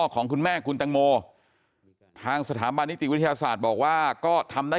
ของคุณแม่คุณตังโมทางสถาบันนิติวิทยาศาสตร์บอกว่าก็ทำได้